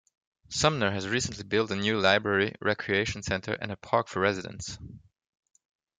Sumner has recently built a new library, recreation center, and a park for residents.